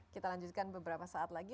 kita lanjutkan beberapa saat lagi